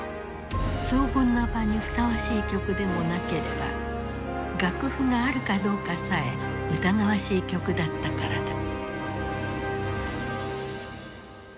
荘厳な場にふさわしい曲でもなければ楽譜があるかどうかさえ疑わしい曲だったからだ。